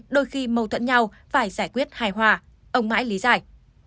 đôi khi mâu thuẫn nhau phải giải quyết hài hòa ông mãi lý giải